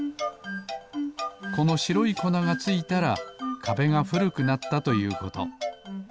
このしろいこながついたらかべがふるくなったということ。